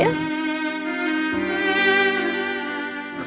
aku mau pergi